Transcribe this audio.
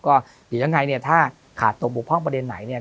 ก็อยู่ทางไหนเนี่ยถ้าขาดตรงปกครองประเด็นไหนเนี่ย